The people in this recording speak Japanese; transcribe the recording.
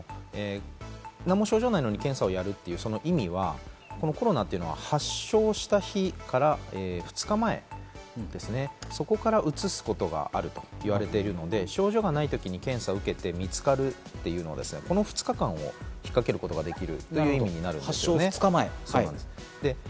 何も症状がないのに検査をやるという意味はコロナは発症した日から２日前、そこからうつすことがあると言われているので症状がないときに検査を受けて見つかるというのはこの２日間を引っかけるということができるということ。